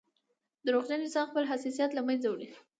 • دروغجن انسان خپل حیثیت له منځه وړي.